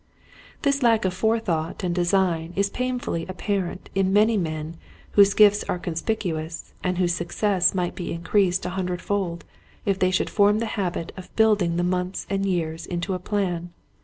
This lack of forethought and design is painfully apparent in many men whose gifts are conspicuous and whose success might be increased a hundred fold if they should form the habit of building the months and years into a plan.